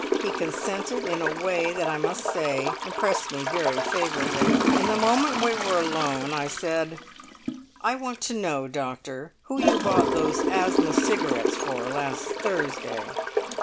He consented in a way that, I must say, impressed me very favourably; and the moment we were alone I said, 'I want to know, Doctor, who you bought those asthma cigarettes for last Thursday!